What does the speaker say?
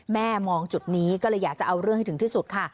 แม่มองจุดนี้ก็เลยอยากจะเอาเรื่องให้ถึงที่สุดค่ะ